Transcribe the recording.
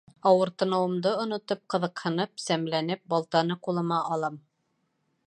Ауыртыныуымды онотоп, ҡыҙыҡһынып, сәмләнеп, балтаны ҡулыма алам.